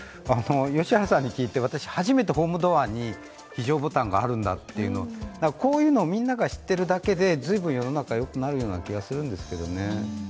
でも私、初めてホームドアに非常ボタンがあるんだというのをこういうのをみんなが知ってるだけで、随分、世の中よくなるような気がするんですけどね。